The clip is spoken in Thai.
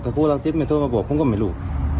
ถ้าพูดลังทิศไม่โทรมาบอกคุ้มก็ไม่รู้